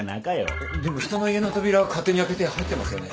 でも人の家の扉を勝手に開けて入ってますよね。